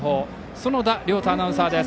園田遼斗アナウンサーです。